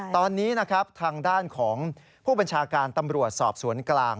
ตอนนี้นะครับทางด้านของผู้บัญชาการตำรวจสอบสวนกลาง